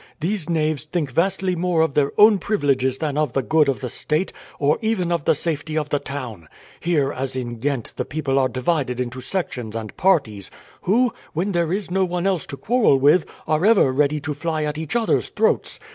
These knaves think vastly more of their own privileges than of the good of the State, or even of the safety of the town. Here, as in Ghent, the people are divided into sections and parties, who, when there is no one else to quarrel with, are ever ready to fly at each other's throats.